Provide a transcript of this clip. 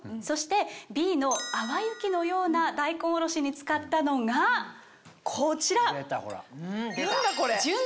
そしてＢの淡雪のような大根おろしに使ったのがこちら！